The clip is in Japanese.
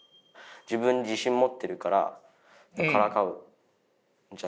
自分に自信持ってるからからかうんじゃないか。